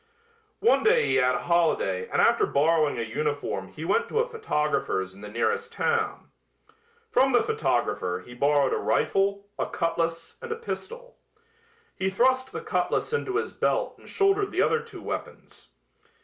One day he had a holiday and after borrowing a uniform he went to a photographer's in the nearest town. From the photographer he borrowed a rifle, a cutlass and a pistol. He thrust the cutlass into his belt and shouldered the other two weapons.